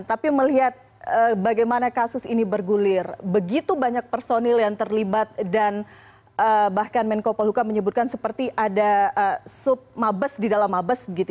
tapi melihat bagaimana kasus ini bergulir begitu banyak personil yang terlibat dan bahkan menko polhuka menyebutkan seperti ada sub mabes di dalam mabes